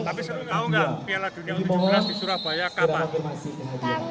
tapi tau gak piala ke tujuh belas di surabaya kapan